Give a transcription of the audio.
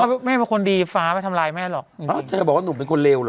แม่เป็นคนดีฟ้าไปทำร้ายแม่หรอกอ้าวเธอจะบอกว่าหนุ่มเป็นคนเลวเหรอ